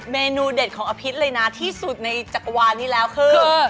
เมนูเด็ดของอภิษเลยนะที่สุดในจักรวาลนี้แล้วคือ